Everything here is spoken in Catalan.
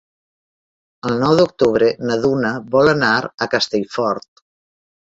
El nou d'octubre na Duna vol anar a Castellfort.